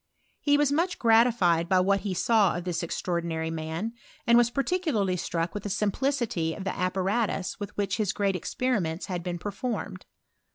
He was much gratified by id he saw of this extraordinary man, and was parti larly struck with the simplicity of the appatri with which his great experiments had been, f formed.